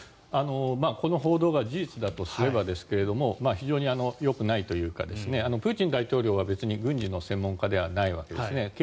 この報道が事実だとすればですが非常によくないというかプーチン大統領は別に軍事の専門家ではないわけですね。